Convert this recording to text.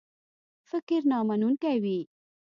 فکر نامنونکی وي.